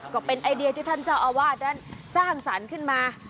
ก็เป็นไอเดียที่ท่านเจ้าอาวาสนั้นสร้างสรรค์ขึ้นมา